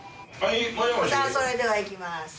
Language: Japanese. さあそれではいきます。